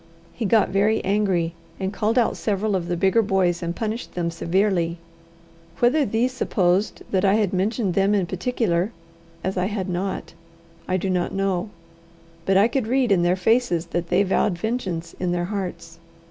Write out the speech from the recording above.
He got very angry, and called out several of the bigger boys and punished them severely. Whether these supposed that I had mentioned them in particular, as I had not, I do not know; but I could read in their faces that they vowed vengeance in their hearts.